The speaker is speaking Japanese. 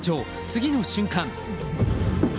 次の瞬間。